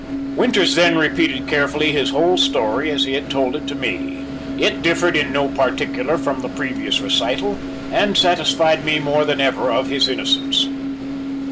Winters then repeated carefully his whole story as he had told it to me. It differed in no particular from the previous recital, and satisfied me more than ever of his innocence.